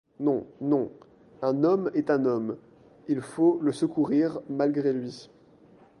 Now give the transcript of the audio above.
Non, non, un homme est un homme, il faut le secourir malgré lui.